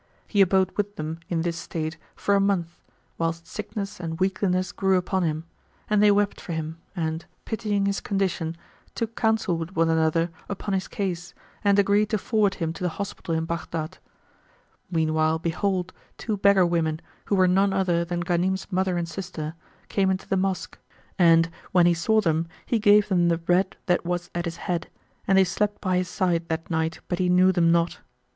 He abode with them in this state for a month, whilst sickness and weakliness grew upon him; and they wept for him and, pitying his condition, took counsel with one another upon his case and agreed to forward him to the hospital in Baghdad.[FN#127] Meanwhile behold, two beggar women, who were none other than Ghanim's mother and sister,[FN#128] came into the mosque and, when he saw them, he gave them the bread that was at his head; and they slept by his side that night but he knew them not.